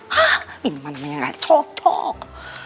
hah ini mah namanya ga cocok